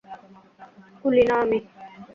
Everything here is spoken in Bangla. কুলি না আমি।